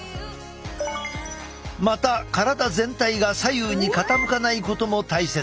また体全体が左右に傾かないことも大切。